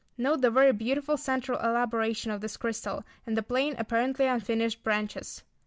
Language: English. Note the very beautiful centre elaboration of this crystal, and the plain, apparently unfinished branches.